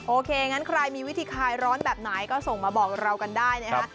โอเคงั้นใครมีวิธีคลายร้อนแบบไหนก็ส่งมาบอกเรากันได้นะคะ